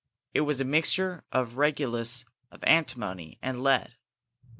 It was a mixture of regulus of antimony and lead.